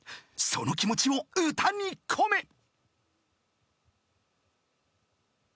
［その気持ちを歌に込め］